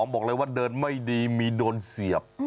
บอกเลยว่าเดินไม่ดีมีโดนเสียบ